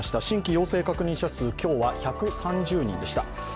新規陽性確認者数、今日は１３０人でした。